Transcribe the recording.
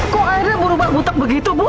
kok akhirnya berubah butak begitu bu